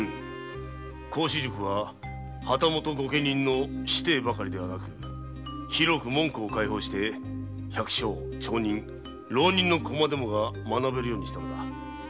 孔子塾は旗本御家人の子弟だけではなく広く門戸を開放して百姓町人浪人の子まで学べるようにしたのだ。